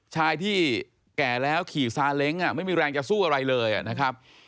ชายที่แก่แล้วขี่ซาเล้งไม่มีแรงจะสู้อะไรเลยนะครับ